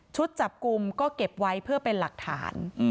จับกลุ่มก็เก็บไว้เพื่อเป็นหลักฐาน